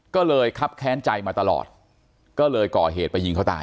ก็เลยครับแค้นใจมาตลอดก็เลยก่อเหตุไปยิงเขาตาย